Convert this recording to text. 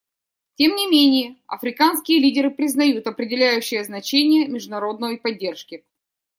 Тем не менее, африканские лидеры признают определяющее значение международной поддержки.